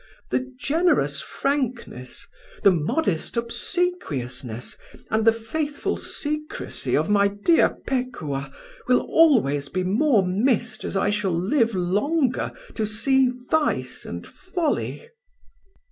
The generous frankness, the modest obsequiousness, and the faithful secrecy of my dear Pekuah will always be more missed as I shall live longer to see vice and folly."